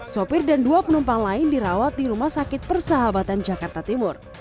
sopir dan dua penumpang lain dirawat di rumah sakit persahabatan jakarta timur